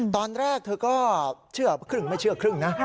ตอนแรกเธอก็เชื่อครึ่งไม่เชื่อครึ่งนะ